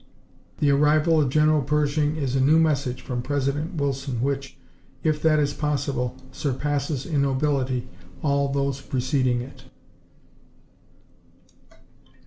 The arrival of General Pershing is a new message from President Wilson which, if that is possible, surpasses in nobility all those preceding it."